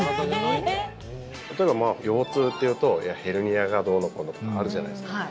例えば、腰痛っていうとヘルニアがどうのこうのとかあるじゃないですか。